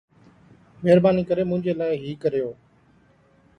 مهرباني ڪري منهنجي لاءِ هي ڪريو